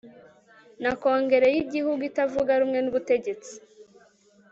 na Kongere yigihugu itavuga rumwe nubutegetsi